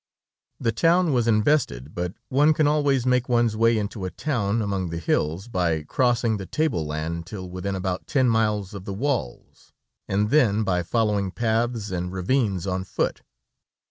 The town was invested, but one can always make one's way into a town among the hills by crossing the table land till within about ten miles of the walls, and then by following paths and ravines on foot.